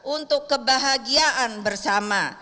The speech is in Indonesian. untuk kebahagiaan bersama